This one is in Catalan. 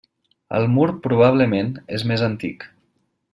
El mur probablement és més antic.